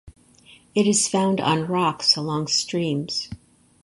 It is found on rocks along streams.